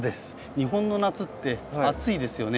日本の夏って暑いですよね。